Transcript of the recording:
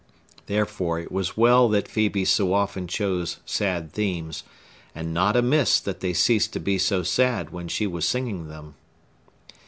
Therefore, it was well that Phœbe so often chose sad themes, and not amiss that they ceased to be so sad while she was singing them.